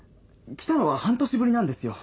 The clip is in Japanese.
来たのは半年ぶりなんですよ。